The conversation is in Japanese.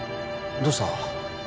どうした？